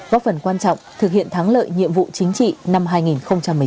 góp phần quan trọng thực hiện thắng lợi nhiệm vụ chính trị năm hai nghìn một mươi chín